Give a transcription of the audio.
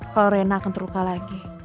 kalo reina akan terluka lagi